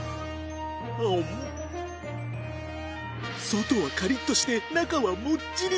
外はカリッとして中はもっちり！